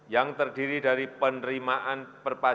yang terdiri dari penerimaan perpanjangan